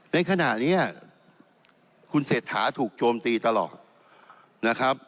ในขณะนี้คุณเศรษฐาถูกโจมตีตลอดนะครับ